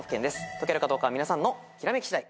解けるかどうかは皆さんのひらめき次第。